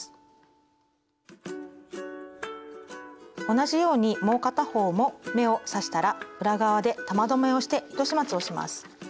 同じようにもう片方も目を刺したら裏側で玉留めをして糸始末をします。